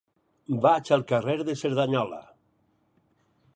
Vaig al carrer de Cerdanyola.